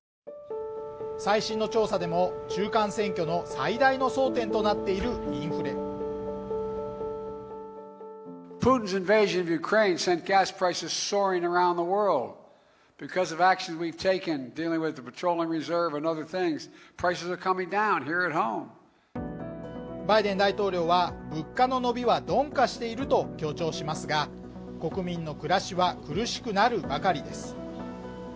最新の調査でも中間選挙の最大の争点となっているインフレバイデン大統領は物価の伸びは鈍化していると強調しますが国民の暮らしは苦しくなるばかりです